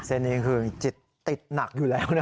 เส้นนี้คือจิตติดหนักอยู่แล้วนะ